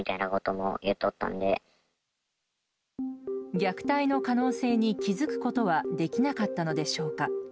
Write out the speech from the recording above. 虐待の可能性に気づくことはできなかったのでしょうか。